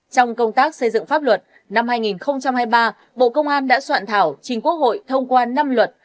trong công tác xây dựng pháp luật năm hai nghìn hai mươi ba bộ công an đã soạn thảo chính quốc hội thông qua năm luật